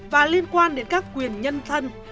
và liên quan đến các quyền nhân thân